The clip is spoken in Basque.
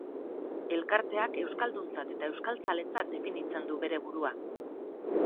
Elkarteak euskalduntzat eta euskaltzaletzat definitzen du bere burua.